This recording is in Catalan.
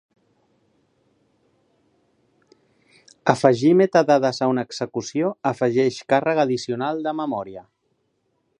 Afegir metadades a una execució afegeix càrrega addicional de memòria.